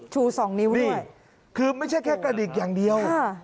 ชูสองนิ้วนี่คือไม่ใช่แค่กระดิกอย่างเดียว